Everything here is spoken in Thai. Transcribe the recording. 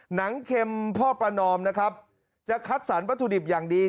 เค็มพ่อประนอมนะครับจะคัดสรรวัตถุดิบอย่างดี